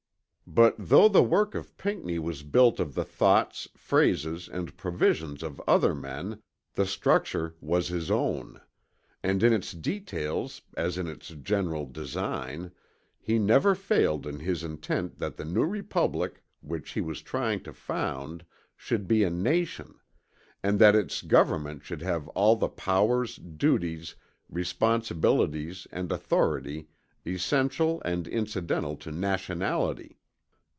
But though the work of Pinckney was built of the thoughts, phrases and provisions of other men, the structure was his own; and in its details as in its general design, he never failed in his intent that the new republic which he was trying to found should be a nation, and that its government should have all the powers, duties, responsibilities and authority essential and incidental to nationality.